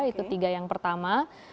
itu tiga yang pertama